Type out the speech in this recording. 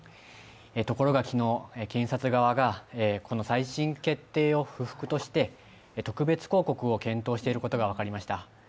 ところが昨日、検察側が再審決定を不服として特別抗告を検討していることが分かりました。